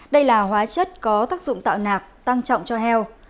đây là hóa chất có tác dụng tạo nạp tăng trọng cho heo